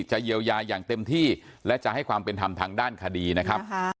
เยียวยาอย่างเต็มที่และจะให้ความเป็นธรรมทางด้านคดีนะครับ